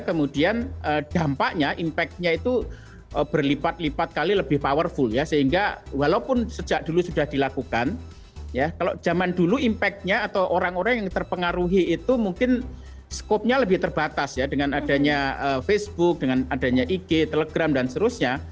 kemudian dampaknya impactnya itu berlipat lipat kali lebih powerful ya sehingga walaupun sejak dulu sudah dilakukan ya kalau zaman dulu impact nya atau orang orang yang terpengaruhi itu mungkin skopnya lebih terbatas ya dengan adanya facebook dengan adanya ig telegram dan seterusnya